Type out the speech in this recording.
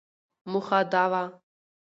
موخه دا وه ،